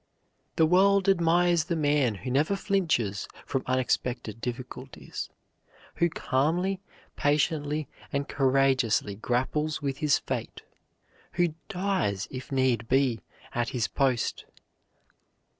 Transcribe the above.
The world admires the man who never flinches from unexpected difficulties, who calmly, patiently, and courageously grapples with his fate; who dies, if need be, at his post.